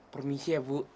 permisi ya bu